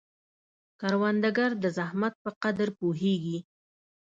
کروندګر د زحمت په قدر پوهیږي